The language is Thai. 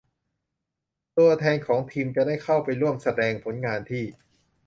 ตัวแทนของทีมจะได้เข้าไปร่วมแสดงผลงานที่